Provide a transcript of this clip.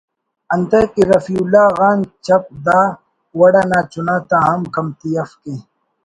انتئے کہ رفیع اللہ غان چَپ دا وڑ انا چنا تا ہم کمتی اف کہ